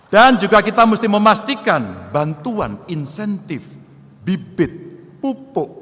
dan juga kita mesti memastikan bantuan insentif bibit pupuk